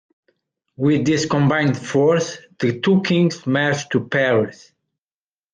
With this combined force the two kings marched to Paris.